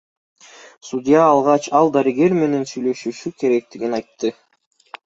Судья алгач ал дарыгер менен сүйлөшүшү керектигин айтты.